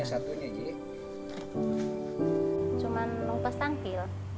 tangannya satunya ji